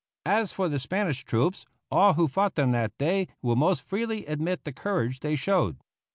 As for the Spanish troops, all who fought them that day will most freely admit the courage they showed.